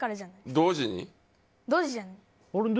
同時に？